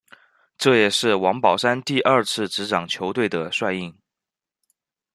这也是王宝山第二次执掌球队的帅印。